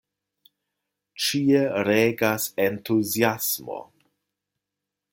Ĉie regas entuziasmo.